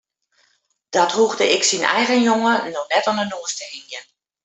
Dat hoegde ik syn eigen jonge no net oan de noas te hingjen.